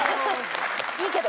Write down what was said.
いいけど。